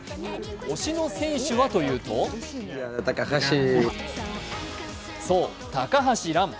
推しの選手はというとそう、高橋藍。